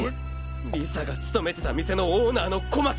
リサが勤めてた店のオーナーの小牧！